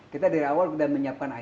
kita dari awal sudah menyiapkan i